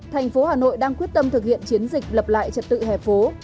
thành phố hà nội đang quyết tâm thực hiện chiến dịch lập lại trật tự hẻ phố